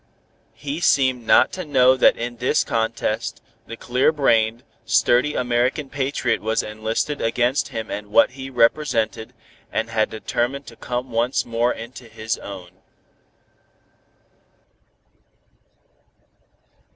He seemed not to know that in this contest, the clear brained, sturdy American patriot was enlisted against him and what he represented, and had determined to come once more into his own.